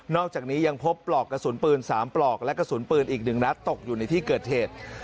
อกจากนี้ยังพบปลอกกระสุนปืน๓ปลอกและกระสุนปืนอีก๑นัดตกอยู่ในที่เกิดเหตุ